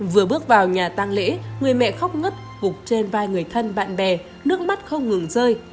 vừa bước vào nhà tăng lễ người mẹ khóc ngất gục trên vai người thân bạn bè nước mắt không ngừng rơi